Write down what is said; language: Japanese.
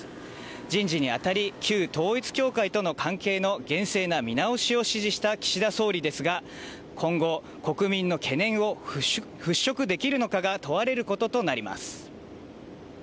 人事に当たり旧統一教会との関係の厳正な見直しを指示した岸田総理ですが今後、国民の懸念を払拭できるのかが問われることとなります。